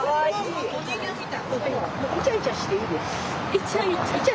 いちゃいちゃ？